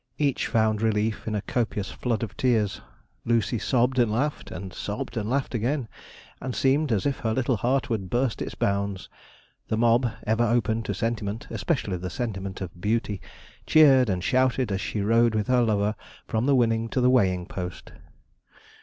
Each found relief in a copious flood of tears. Lucy sobbed and laughed, and sobbed and laughed again; and seemed as if her little heart would burst its bounds. The mob, ever open to sentiment especially the sentiment of beauty cheered and shouted as she rode with her lover from the winning to the weighing post.